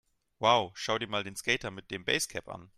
Wow, schau dir mal den Skater mit dem Basecap an!